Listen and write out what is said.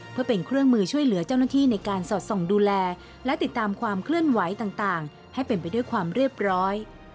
เพื่อเป็นเครื่องมือช่วยเหลือเจ้าหน้าที่ในการสอดส่องดูแลและติดตามความเคลื่อนไหวต่างให้เป็นไปด้วยความเรียบร้อย